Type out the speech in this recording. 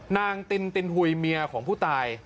ตินตินหุยเมียของผู้ตาย